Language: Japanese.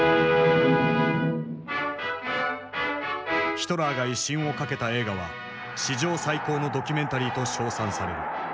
ヒトラーが威信を懸けた映画は史上最高のドキュメンタリーと称賛される。